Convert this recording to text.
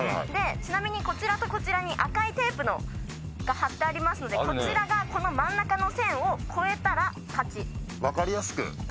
ちなみにこちらとこちらに赤いテープが張ってありますのでこちらがこの真ん中の線を越えたら勝ち。